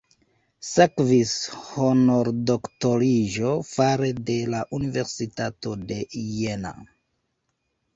Sekvis honordoktoriĝo fare de la Universitato de Jena.